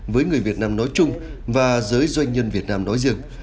với người việt nam nói chung và giới doanh nhân việt nam nói riêng